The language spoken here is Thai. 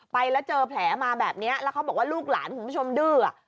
ไปแล้วเจอแผลมาแบบนี้แล้วเขาบอกว่าลูกหลานคุณผู้ชมดื้อ